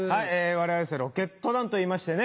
我々ロケット団といいましてね。